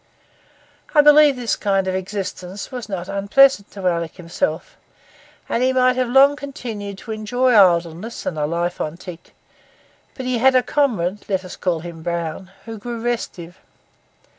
I believe this kind of existence was not unpleasant to Alick himself, and he might have long continued to enjoy idleness and a life on tick; but he had a comrade, let us call him Brown, who grew restive.